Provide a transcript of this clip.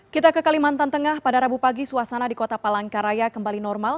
kita ke kalimantan tengah pada rabu pagi suasana di kota palangkaraya kembali normal